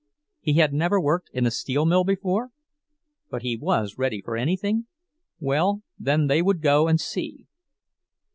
He had never worked in a steel mill before? But he was ready for anything? Well, then, they would go and see.